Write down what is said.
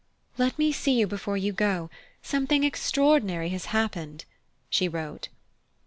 "Let me see you before you go: something extraordinary has happened," she wrote.